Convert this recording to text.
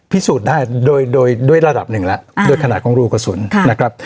พิสูจน์ได้โดยโดยด้วยระดับหนึ่งแล้วโดยขนาดของรูกระสุนนะครับ